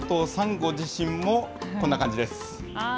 ご自身もこんな感じです。